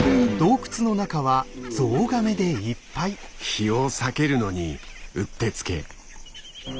日を避けるのにうってつけ。